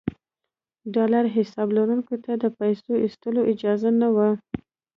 ډالري حساب لرونکو ته د پیسو ایستلو اجازه نه وه.